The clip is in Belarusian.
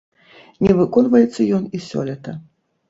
Не выконваецца ён і сёлета.